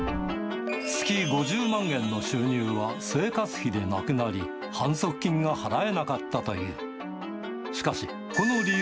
月５０万円の収入は生活費でなくなり、反則金が払えなかったという。